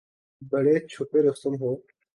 بڑے چھپے رستم ہو